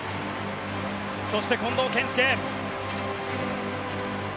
そして、近藤健介。